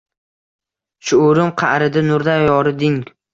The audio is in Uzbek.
Shuurim qa’rida nurday yoriding.